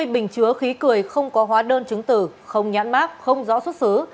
sáu mươi bình chứa khí cười không có hóa đơn chứng tử không nhãn mác không rõ xuất xứ